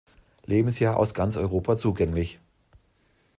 Lebensjahr aus ganz Europa zugänglich.